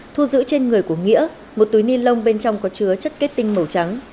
thu giữ trên người của nghĩa một túi ni lông bên trong có chứa chất kết tinh màu trắng